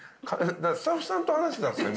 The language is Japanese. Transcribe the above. スタッフさんと話してたんすか？